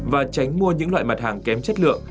và tránh mua những loại mặt hàng kém chất lượng